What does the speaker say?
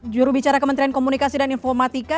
jurubicara kementerian komunikasi dan informatika